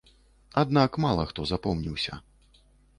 Аднак мала хто запомніўся.